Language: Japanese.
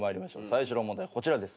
最初の問題はこちらです。